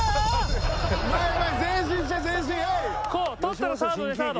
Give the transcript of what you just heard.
こう捕ったらサードねサード。